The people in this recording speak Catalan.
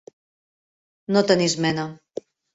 No tenir esmena.